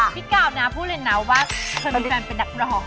พี่เกาะนะพูดเลยเนาะว่าเคยมีแฟนเป็นนักร้อง